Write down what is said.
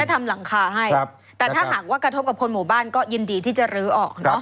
ทำหลังคาให้ครับแต่ถ้าหากว่ากระทบกับคนหมู่บ้านก็ยินดีที่จะลื้อออกเนอะ